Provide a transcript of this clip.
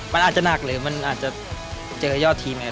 มันอาจจะหนักหรือมันอาจจะเจอยอดทีมยังไง